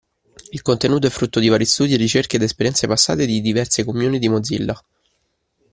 Il contenuto è frutto di vari studi e ricerche da esperienze passate di diverse community Mozilla.